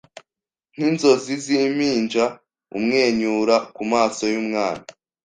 Nkinzozi zimpinja umwenyura kumaso yumwana